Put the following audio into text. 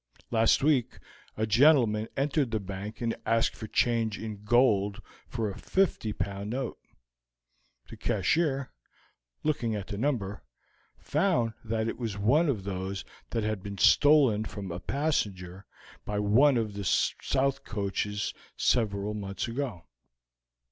Last week a gentleman entered the Bank and asked for change in gold for a fifty pound note. The cashier, looking at the number, found that it was one of those that had been stolen from a passenger by one of the south coaches several months ago.